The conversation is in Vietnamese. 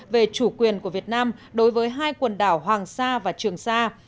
về chủ quyền của việt nam đối với hai quần đảo hoàng sa và trường sa